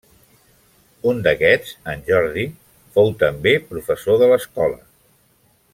Un d'aquests, en Jordi, fou també professor de l'Escola.